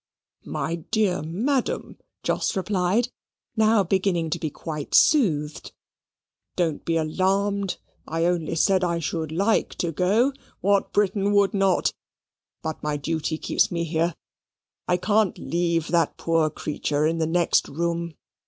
"My dear madam," Jos replied, now beginning to be quite soothed, "don't be alarmed. I only said I should like to go what Briton would not? But my duty keeps me here: I can't leave that poor creature in the next room."